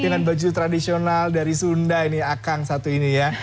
dengan baju tradisional dari sunda ini akang satu ini ya